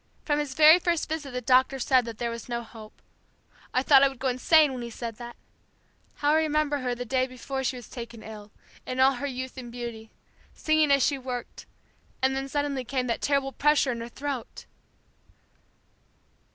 From his very first visit the doctor said that there was no hope. I thought I would go insane when he said that! How I remember her the day before she was taken ill, in all her youth and beauty singing as she worked, and then suddenly came that terrible pressure in her throat."